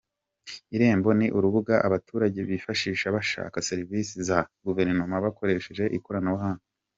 Irembo ni urubuga abaturage bifashisha bashaka serivisi za Guverinoma bakoresheje ikoranabuhanga.